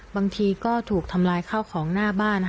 บางทีก็ถูกทำลายข้าวของหน้าบ้าน